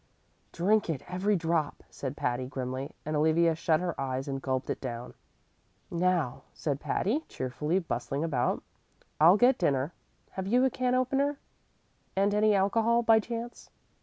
"Drink it every drop," said Patty, grimly; and Olivia shut her eyes and gulped it down. "Now," said Patty, cheerfully bustling about, "I'll get dinner. Have you a can opener? And any alcohol, by chance?